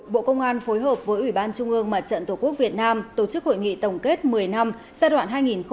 bộ công an phối hợp với ủy ban trung ương mặt trận tổ quốc việt nam tổ chức hội nghị tổng kết một mươi năm giai đoạn hai nghìn một mươi chín hai nghìn hai mươi ba